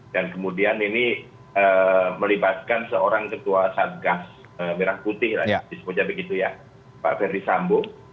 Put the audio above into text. dan kemudian ini melibatkan seorang ketua satgasus merah putih di sebuah jambu